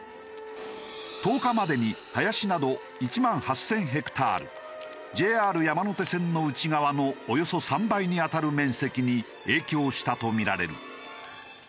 １０日までに林など１万８０００ヘクタールＪＲ山手線の内側のおよそ３倍に当たる面積に影響したとみられる。